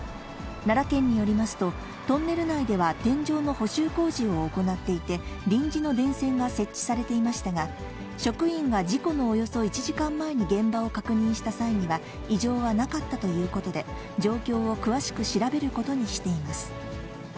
奈良県によりますと、トンネル内では天井の補修工事を行っていて、臨時の電線が設置されていましたが、職員が事故のおよそ１時間前に現場を確認した際には、異常はなかったということで、状況を詳しく調べることにしています。